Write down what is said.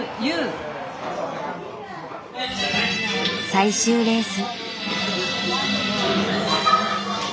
最終レース。